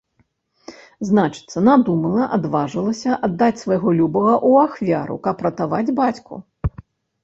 Значыцца, надумала, адважылася аддаць свайго любага ў ахвяру, каб ратаваць бацьку.